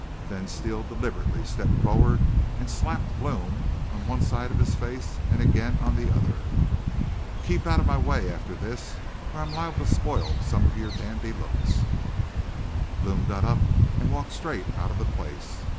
"Then Steele deliberately stepped forward an' slapped Blome on one side of his face an' again on the other. "'Keep out of my way after this or I'm liable to spoil some of your dandy looks.' "Blome got up an' walked straight out of the place.